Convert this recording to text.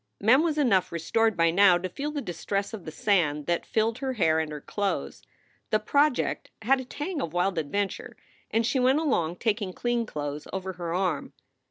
Mem was enough restored by now to feel the distress of the sand that filled her hair and her clothes. The project had a tang of wild adventure, and she went along, taking clean clothes over her arm.